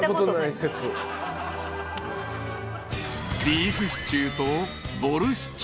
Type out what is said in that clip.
［ビーフシチューとボルシチ。